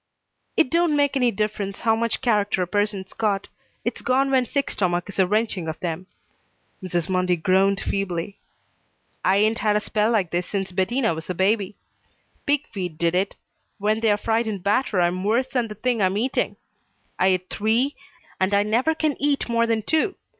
"It don't make any difference how much character a person's got, it's gone when sick stomach is a wrenching of 'em." Mrs. Mundy groaned feebly. "I 'ain't had a spell like this since Bettina was a baby. Pig feet did it. When they're fried in batter I'm worse than the thing I'm eating. I et three, and I never can eat more than two.